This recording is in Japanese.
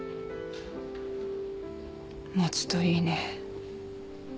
持つといいね。